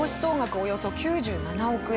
およそ９７億円。